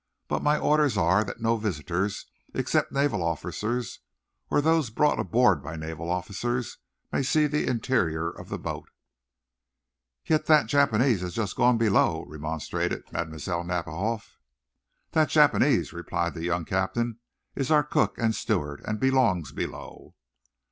"But my orders are that no visitors except naval officers, or those brought aboard by naval officers, may see the interior of the boat." "Yet that Japanese has just gone below!" remonstrated Mlle. Nadiboff. "The Japanese," replied the young captain, "is our cook and steward, and belongs below."